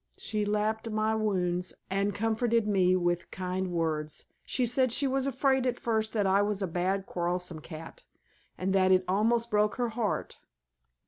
She lapped my wounds and comforted me with kind words. She said she was afraid at first that I was a bad quarrelsome cat, and that it almost broke her heart.